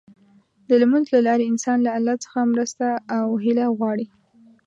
د لمونځ له لارې انسان له الله څخه مرسته او هيله غواړي.